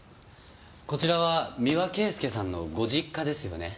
こちらは三輪圭祐さんのご実家ですよね。